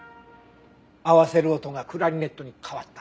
合わせる音がクラリネットに代わった。